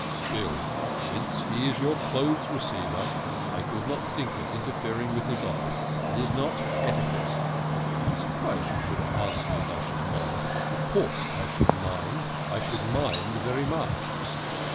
" Still, since he is your clothes receiver, I could not think of inter fering with his office. It is not etiquette. I am surprised you should ask me if I should mind, Of course I should mind I should mind very much."